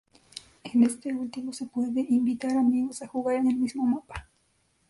En este último se puede invitar a amigos a jugar en el mismo mapa.